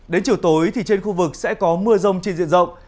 đến chiều tối thì trên khu vực sẽ có mưa rông trên diện rộng